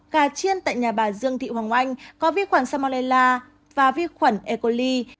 gà chiên tại nhà bà dương thị hoàng oanh có vi khuẩn salmonella và vi khuẩn e coli